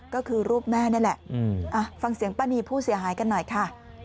ก็คือรูปแม่นี่แหละฟังเสียงป้านีผู้เสียหายกันหน่อยค่ะ